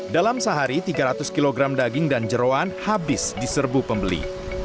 dalam sehari tiga ratus kg daging dan jeruan habis di serbu pembeli